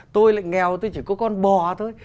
tôi lại nghèo tôi chỉ có con bò thôi